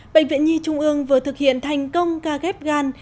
bệnh viện nhi trung ương vừa thực hiện thành công ca ghép gan